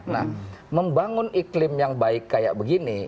nah membangun iklim yang baik kayak begini